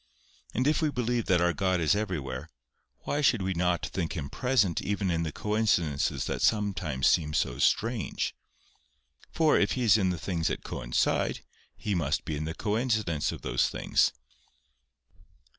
And if we believe that our God is everywhere, why should we not think Him present even in the coincidences that sometimes seem so strange? For, if He be in the things that coincide, He must be in the coincidence of those things.